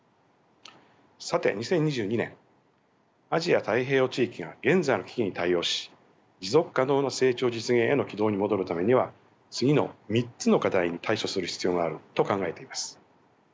さて２０２２年アジア・太平洋地域が現在の危機に対応し持続可能な成長実現への軌道に戻るためには次の３つの課題に対処する必要があると考えています。